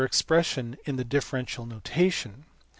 expression in the differential notation.